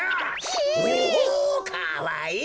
ひえ！おかわいい！